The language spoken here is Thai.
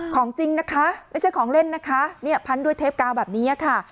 ของจริงนะคะไม่ใช่ของเล่นนะคะเนี่ยพันด้วยเทปกาวแบบนี้ค่ะ